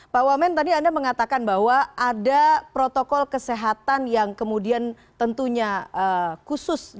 pak wamen tadi anda mengatakan bahwa ada protokol kesehatan yang kemudian tentunya khusus